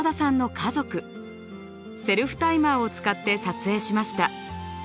セルフタイマーを使って撮影しました。